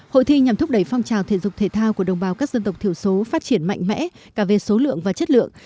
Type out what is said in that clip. hội thi nhằm thúc đẩy phong trào thể dục thể thao của đồng bào các dân tộc thiểu số phát triển mạnh mẽ cả về số lượng và chất lượng